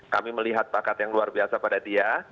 kami melihat bakat yang luar biasa pada dia